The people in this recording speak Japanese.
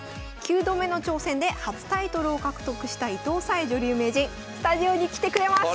９度目の挑戦で初タイトルを獲得した伊藤沙恵女流名人スタジオに来てくれます！